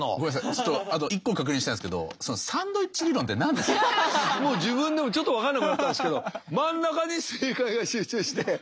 ちょっとあと一個確認したいんですけど自分でもちょっと分からなくなったんですけど真ん中に正解が集中して。